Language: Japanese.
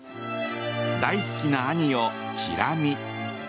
大好きな兄をチラ見。